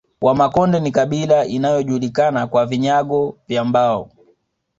Wamakonde ni kabila inayojulikana kwa vinyago vya mbao